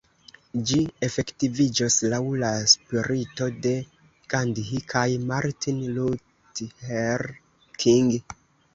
Ĝi efektiviĝos laŭ la spirito de Gandhi kaj Martin Luther King.